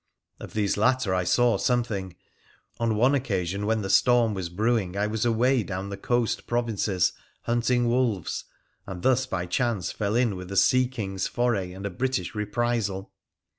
Of these latter I saw something. On one occasion when the storm was brewing I was away down in the coast provinces hunting wolves, and thus by chance fell in with a ' sea king's ' foray and a British reprisal.